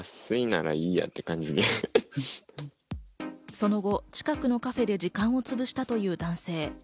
その後、近くのカフェで時間をつぶしたという男性。